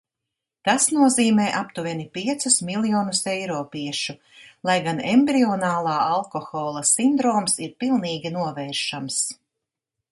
Tas nozīmē aptuveni piecus miljonus eiropiešu, lai gan embrionālā alkohola sindroms ir pilnīgi novēršams.